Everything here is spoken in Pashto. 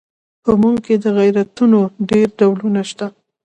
په موږ کې د غیرتونو ډېر ډولونه شته.